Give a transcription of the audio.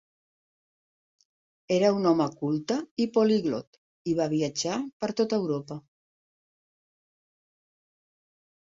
Era un home culte i poliglot i va viatjar per tot Europa.